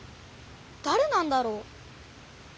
だれなんだろう？